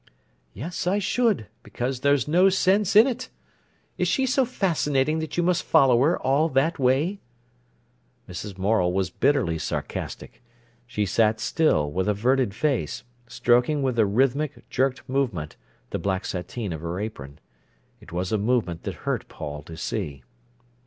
"Yes, I should, because there's no sense in it. Is she so fascinating that you must follow her all that way?" Mrs. Morel was bitterly sarcastic. She sat still, with averted face, stroking with a rhythmic, jerked movement, the black sateen of her apron. It was a movement that hurt Paul to see.